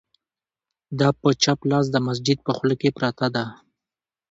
د په چپ لاس د مسجد په خوله کې پرته ده،